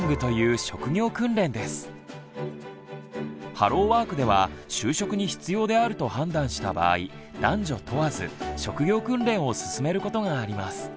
ハローワークでは就職に必要であると判断した場合男女問わず職業訓練を勧めることがあります。